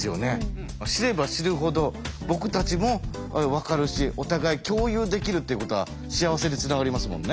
知れば知るほど僕たちも分かるしお互い共有できるっていうことは幸せにつながりますもんね。